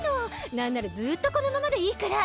なんならずっとこのままでいいくらい。